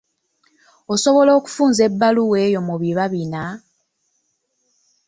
Osobola okufunza ebbaluwa eyo mu biba bina?